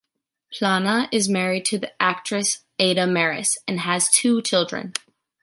Plana is married to the actress Ada Maris, and has two children.